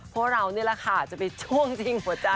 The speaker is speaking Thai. พวกเรานี่แหละค่ะจะไปช่วงยิงหัวใจ